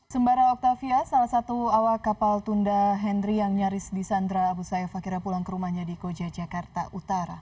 sembara octavia salah satu awak kapal tunda henry yang nyaris disandra abu sayyaf akhirnya pulang ke rumahnya di koja jakarta utara